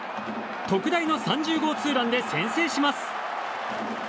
特大の３０号ツーランで先制します。